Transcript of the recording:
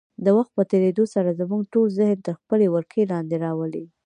د وخت په تېرېدو سره زموږ ټول ذهن تر خپلې ولکې لاندې راولي.